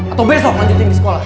atau besok lanjutin di sekolah